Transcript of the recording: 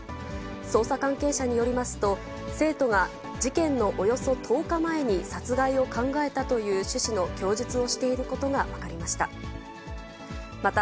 捜査関係者によりますと、生徒が事件のおよそ１０日前に殺害を考えたという趣旨の供述をしていることが分かりました。